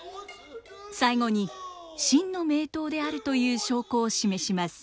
最後に真の名刀であるという証拠を示します。